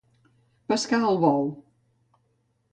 Pescar al bou.